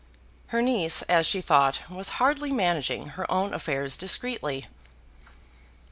Her niece, as she thought, was hardly managing her own affairs discreetly.